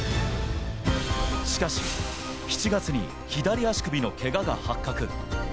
しかし、７月に左足首のけがが発覚。